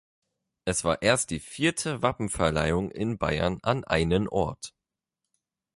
Es war erst die vierte Wappenverleihung in Bayern an einen Ort.